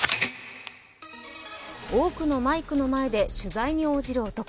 多くのマイクの前で取材に応じる男。